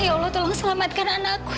ya allah tolong selamatkan anakku